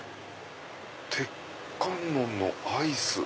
鉄観音のアイス。